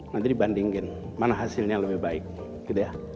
nanti dibandingin mana hasilnya lebih baik gitu ya